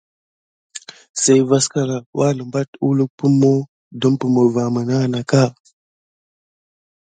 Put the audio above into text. Sey vaskana anebat uwluk pummo dupummo va mena naka.